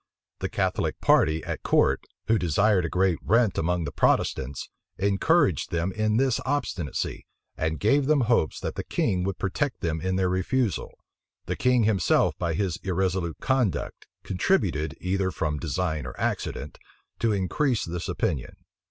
The Catholic party at court, who desired a great rent among the Protestants, encouraged them in this obstinacy, and gave them hopes that the king would protect them in their refusal. The king himself, by his irresolute conduct, contributed, either from design or accident, to increase this opinion.